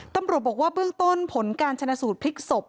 ตำรวจบอกว่าเบื้องต้นผลการชนะสูตรพลิกศพ